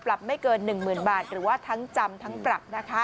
ปรับไม่เกินหนึ่งหมื่นบาทหรือว่าทั้งจำทั้งปรับนะคะ